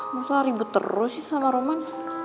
masa ribet terus sih sama roman